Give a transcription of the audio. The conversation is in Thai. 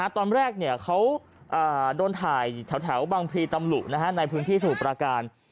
ตอนแรกเขาโดนถ่ายแถวบังพลีตำหลุในพื้นที่สมุทรปราการ